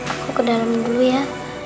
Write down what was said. aku ke dalam dulu ya